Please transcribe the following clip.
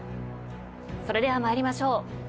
それでは参りましょう。